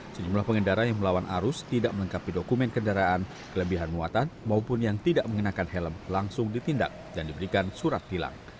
sejumlah pengendara yang melawan arus tidak melengkapi dokumen kendaraan kelebihan muatan maupun yang tidak mengenakan helm langsung ditindak dan diberikan surat tilang